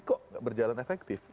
kok nggak berjalan efektif